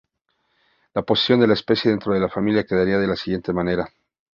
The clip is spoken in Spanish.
La posición de la especie dentro de la familia quedaría de la siguiente manera.